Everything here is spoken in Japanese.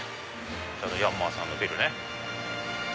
こちらのヤンマーさんのビルね。